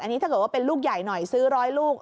อันนี้ถ้าเกิดว่าเป็นลูกใหญ่หน่อยซื้อ๑๐๐ลูก